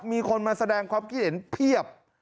มีคนมาแสดงความคิดเห็นเพียบ